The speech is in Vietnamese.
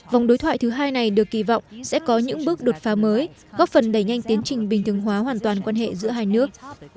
vòng đối thoại thứ hai này được kỳ vọng sẽ có những bước đột phá mới góp phần đẩy nhanh tiến trình bình thường hóa hoàn toàn quan hệ giữa hai nước